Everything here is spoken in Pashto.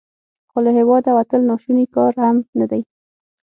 خو له هیواده وتل ناشوني کار هم نه دی.